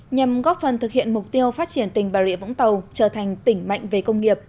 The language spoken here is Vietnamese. nhằm góp phần thực hiện mục tiêu phát triển tỉnh bà rịa vũng tàu trở thành tỉnh mạnh về công nghiệp